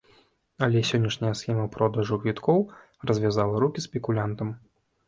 Але сённяшняя схема продажу квіткоў развязала рукі спекулянтам.